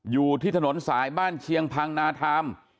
อยู่ที่ถนนสายบ้านเชียงพังนาธาม